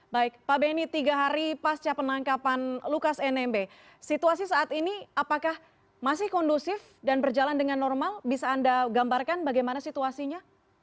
baik pak beni tiga hari pasca penangkapan lukas nmb situasi saat ini apakah masih kondusif dan berjalan dengan normal bisa anda gambarkan bagaimana situasinya